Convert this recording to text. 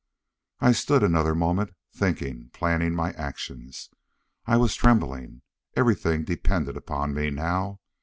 I stood another moment, thinking, planning my actions. I was trembling. Everything depended upon me now.